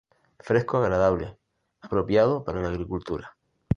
Fresco agradable, apropiado para la agricultura.